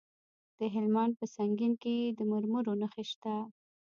د هلمند په سنګین کې د مرمرو نښې شته.